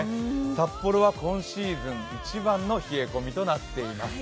札幌は今シーズン一番の冷え込みとなっています。